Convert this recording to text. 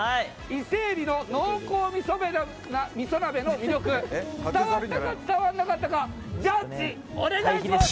伊勢海老の濃厚みそ鍋の魅力が伝わったか伝わらなかったかジャッジ、お願いします。